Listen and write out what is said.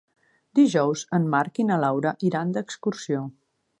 Dijous en Marc i na Laura iran d'excursió.